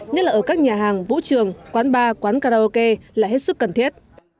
nhất là ở các nhà hàng vũ trường quán bar quán karaoke là hết sức cần thiết